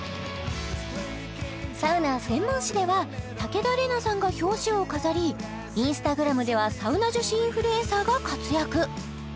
サウナ専門誌では武田玲奈さんが表紙を飾りＩｎｓｔａｇｒａｍではサウナ女子インフルエンサーが活躍